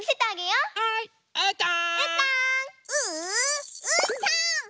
うーたん！